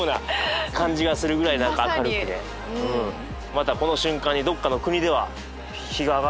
またこの瞬間にどっかの国では日が上がってるから。